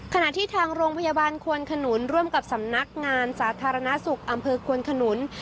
ขณะที่ทางโรงพยาบาลควนขนุนร่วมกับสำนักงานสาธารณสุขอำเภอควนขนุน